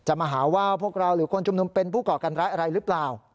มาหาว่าพวกเราหรือคนชุมนุมเป็นผู้ก่อการร้ายอะไรหรือเปล่า